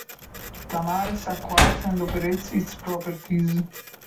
Tamares acquires and operates its properties.